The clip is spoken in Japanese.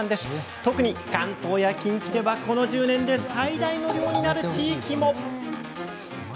特に関東や近畿ではこの１０年で最大の量になる地域も。